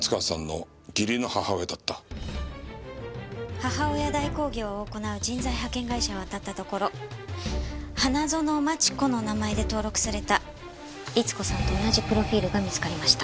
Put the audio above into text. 母親代行業を行う人材派遣会社をあたったところ花園町子の名前で登録された律子さんと同じプロフィールが見つかりました。